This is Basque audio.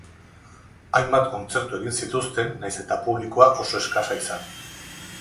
Hainbat kontzertu egin zituzten nahiz eta publikoa oso eskasa izan.